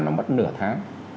nó mất nửa tháng